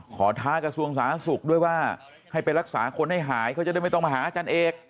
ท้ากระทรวงสาธารณสุขด้วยว่าให้ไปรักษาคนให้หายเขาจะได้ไม่ต้องมาหาอาจารย์เอก